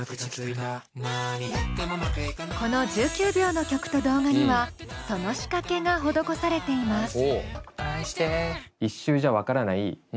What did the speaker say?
この１９秒の曲と動画にはその仕掛けが施されています。